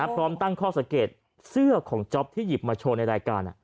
พร้อมตั้งข้อสังเกตเสื้อของจ๊อปที่หยิบมาโชว์ในรายการ